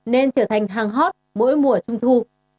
nên trở thành hàng hot mỗi mùa trung thu